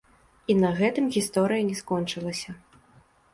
І на гэтым гісторыя не скончылася.